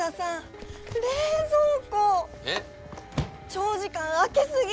長時間開け過ぎ！